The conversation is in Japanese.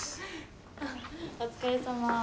あっお疲れさま。